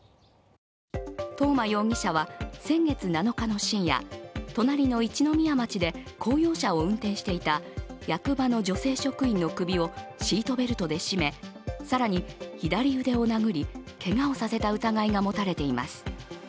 東間容疑者は先月７日の深夜、隣の一宮町で公用車を運転していた役場の女性職員の首をシートベルトで絞め、更に左腕を殴りけがをさせた疑いが持たれています。